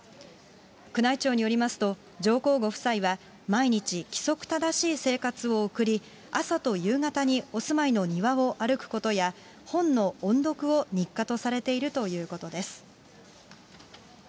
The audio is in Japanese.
宮内庁によりますと、上皇ご夫妻は毎日規則正しい生活を送り、朝と夕方にお住まいの庭を歩くことや、本の音読を日課とされているということです。